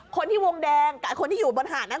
คนที่วงแดงกับคนที่อยู่บนหาดนั้น